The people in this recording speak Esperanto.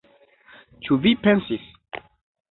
Ĉu vi pensis?